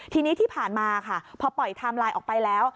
ทีนี้ที่ผ่านมาค่ะพอปล่อยไทม์ไลน์ออกไปแล้ว